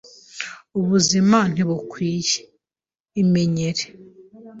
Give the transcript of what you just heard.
Ubuzima ntibukwiye. Imenyere.